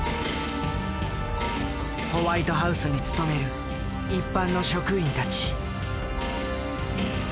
ホワイトハウスに勤める一般の職員たち。